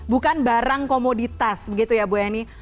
bukan barang komoditas begitu ya bu eni